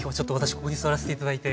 ここに座らせて頂いて。